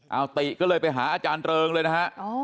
เอาติก็เลยไปหาอาจารย์เริงเลยนะฮะ